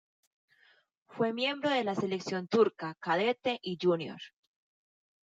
Fue miembro de la selección turca cadete y júnior.